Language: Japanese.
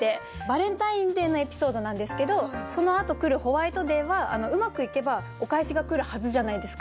バレンタインデーのエピソードなんですけどそのあと来るホワイトデーはうまくいけばお返しが来るはずじゃないですか。